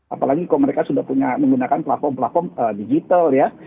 apalagi kalau mereka sudah punya menggunakan platform platform digital ya